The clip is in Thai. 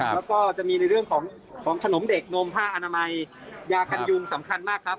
แล้วก็จะมีในเรื่องของขนมเด็กนมผ้าอนามัยยากันยุงสำคัญมากครับ